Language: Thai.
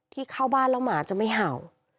เข้าบ้านแล้วหมาจะไม่เห่า